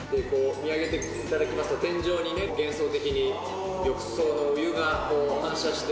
見上げていただきますと、天井にね、幻想的に浴槽のお湯が反射して。